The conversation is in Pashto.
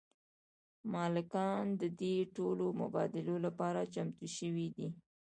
مالکان د دې توکو مبادلې لپاره چمتو شوي دي